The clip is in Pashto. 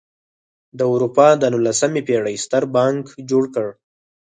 د اروپا د نولسمې پېړۍ ستر بانک جوړ کړ.